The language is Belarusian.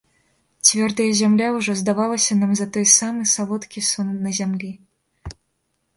Цвёрдая зямля ўжо здавалася нам за той самы салодкі сон на зямлі.